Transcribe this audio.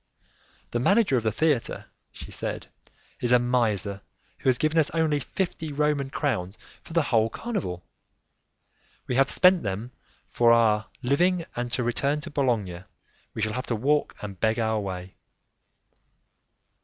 "The manager of the theatre," she said, "is a miser who has given us only fifty Roman crowns for the whole carnival. We have spent them for our living, and, to return to Bologna, we shall have to walk and beg our way."